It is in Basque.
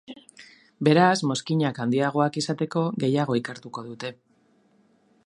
Beraz mozkinak handiagoak izateko, gehiago ikertuko dute.